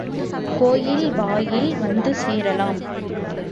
கோயில் வாயில் வந்து சேரலாம்.